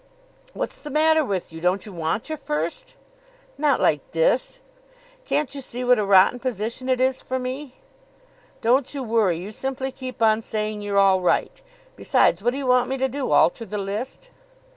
"What's the matter with you? Don't you want your first?" "Not like this. Can't you see what a rotten position it is for me?" "Don't you worry. You simply keep on saying you're all right. Besides, what do you want me to do? Alter the list?"